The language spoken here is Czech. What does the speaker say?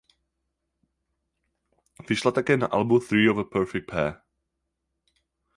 Vyšla také na albu "Three of a Perfect Pair".